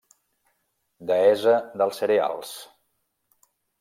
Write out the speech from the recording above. Deessa dels cereals.